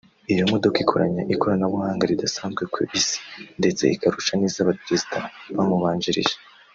niyo modoka ikoranye ikoranabuhanga ridasanzwe ku isi ndetse ikarusha n’iz'abaperezida bamubanjirije